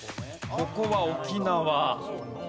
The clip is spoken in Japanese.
ここは沖縄。